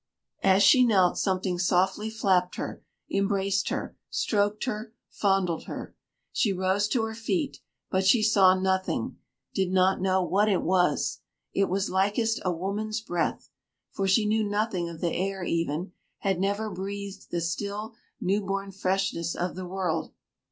As she knelt, something softly flapped her, embraced her, stroked her, fondled her. She rose to her feet, but saw nothing, did not know what it was. It was likest a woman's breath. For she knew nothing of the air even, had never breathed the still new born freshness of the world.